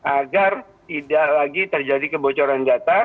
agar tidak lagi terjadi kebocoran data